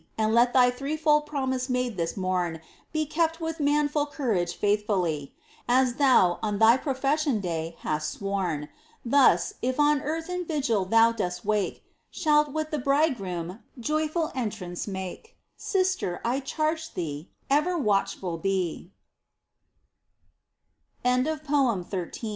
And let thy threefold promise made this morn Be kept with manful courage faithfully, As thou on thy profession day hast sworn. Thus, if on earth in vigil thou dost wake, Shalt with the Bridegroom joyful entrance make — Sister, I charge thee, ever wat